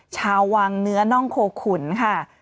ชาววังเนื้อน่องโคขุนค่ะ